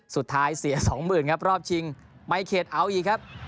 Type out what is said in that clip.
สุดท้ายเสีย๒หมื่นครับรอบชิงไมเคทเอาอีกครับ